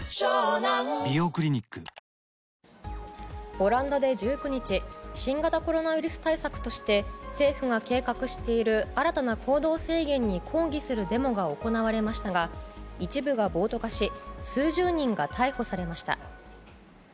オランダで１９日新型コロナウイルス対策として政府が計画している新たな行動制限に抗議するデモが行われましたが一部が暴徒化し数十人が逮捕されました。